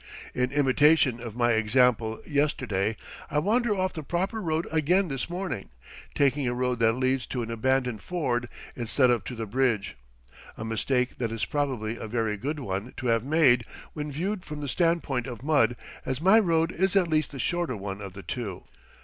In imitation of my example yesterday, I wander off the proper road again this morning, taking a road that leads to an abandoned ford instead of to the bridge, a mistake that is probably a very good one to have made when viewed from the stand point of mud, as my road is at least the shorter one of the two.